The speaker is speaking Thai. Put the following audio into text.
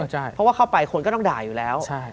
เพราะว่าเข้าไปคนก็ต้องด่าอยู่แล้ว